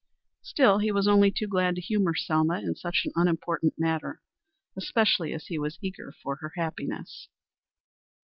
Still, he was only too glad to humor Selma in such an unimportant matter, especially as he was eager for her happiness.